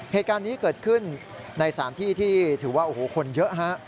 เหตุการณ์นี้เกิดขึ้นในสถานที่ที่ถือว่าโอ้โหคนเยอะฮะ